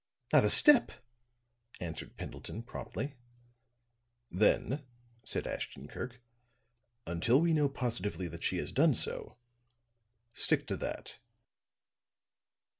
"Not a step!" answered Pendleton, promptly. "Then," said Ashton Kirk, "until we know positively that she has done so, stick to that."